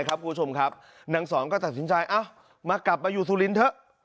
คุณผู้ชมครับนางสองก็ตัดสินใจเอ้ามากลับมาอยู่สุรินทร์เถอะ